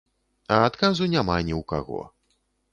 А адказу няма ні ў каго.